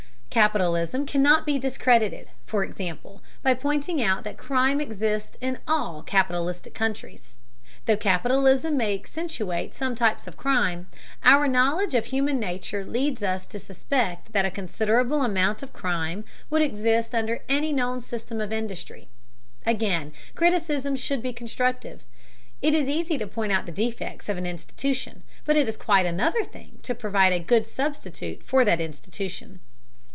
Capitalism cannot be discredited, for example, by pointing out that crime exists in all capitalistic countries. Though capitalism may accentuate some types of crime, our knowledge of human nature leads us to suspect that a considerable amount of crime would exist under any known system of industry. Again, criticism should be constructive; it is easy to point out the defects of an institution, but it is quite another thing to provide a good substitute for that institution.